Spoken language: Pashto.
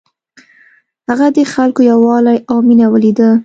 هغه د خلکو یووالی او مینه ولیده.